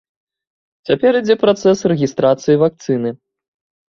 Цяпер ідзе працэс рэгістрацыі вакцыны.